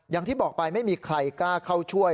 อย่างที่บอกไปไม่มีใครกล้าเข้าช่วย